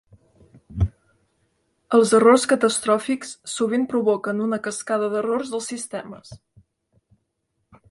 Els errors catastròfics sovint provoquen una cascada d'errors dels sistemes.